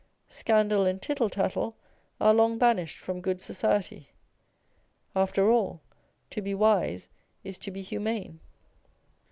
Scandal and tittle tattle are long banished from good society. After all, to be wise is to be humane.